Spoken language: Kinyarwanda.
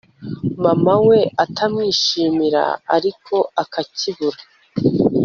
mama we atamwishimira ariko akacyibura